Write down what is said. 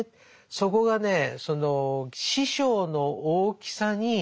そこがねその師匠の大きさに。